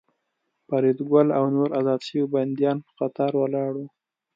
فریدګل او نور ازاد شوي بندیان په قطار ولاړ وو